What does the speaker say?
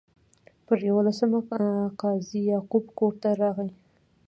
پر یوولسمه قاضي یعقوب کور ته راغی.